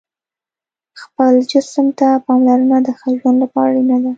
خپل جسم ته پاملرنه د ښه ژوند لپاره اړینه ده.